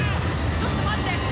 ちょっと待って！